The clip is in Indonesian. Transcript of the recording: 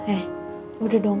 eh udah dong